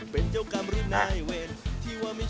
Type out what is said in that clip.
เป็นเจ้ากรรมหรือนายเวร